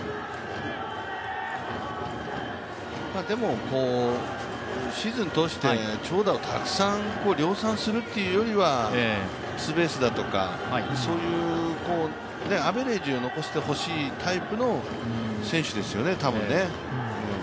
でも、シーズン通して長打をたくさん量産するというよりはツーベースだとかそういうアベレージを残してほしいタイプの選手ですよね、多分ね。